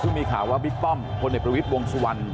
เพิ่งมีข่าวว่าวิทย์ป้อมคนในประวิทย์วงศ์สุวรรณ